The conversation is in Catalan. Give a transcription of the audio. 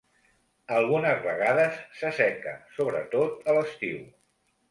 Algunes vegades s'asseca, sobretot a l'estiu.